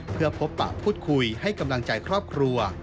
เพื่อพบปะพูดคุยให้กำลังใจครอบครัว